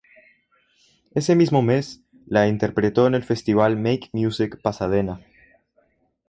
Ese mismo mes, la interpretó en el festival Make Music Pasadena.